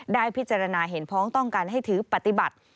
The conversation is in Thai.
ได้พิจารณาเห็นพ้องต้องการให้ถือปฏิบัติ